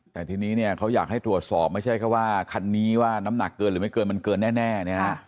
แต่ทีนี้เนี่ยเขาอยากให้ตรวจสอบไม่ใช่แค่ว่าคันนี้ว่าน้ำหนักเกินหรือไม่เกินมันเกินแน่